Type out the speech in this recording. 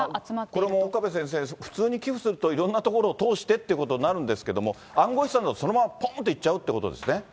これも岡部先生、普通に寄付すると、いろんな所を通してってことになるんですけど、暗号資産だとそのままぽーんといっちゃうっていうことですね。